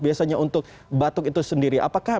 biasanya untuk batuk itu sendiri apakah